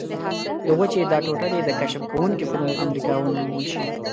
د وچې دا ټوټه دې د کشف کوونکي په نوم امریکا ونومول شي.